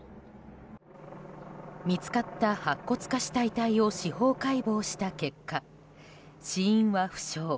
見つかった白骨化した遺体を司法解剖した結果死因は不詳。